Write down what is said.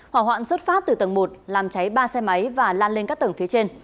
hỏa hoạn xuất phát từ tầng một làm cháy ba xe máy và lan lên các tầng phía trên